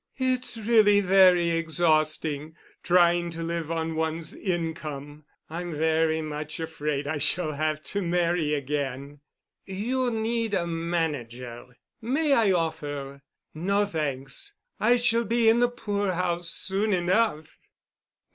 "It's really very exhausting—trying to live on one's income. I'm very much afraid I shall have to marry again." "You need a manager. May I offer——" "No, thanks. I shall be in the poor house soon enough."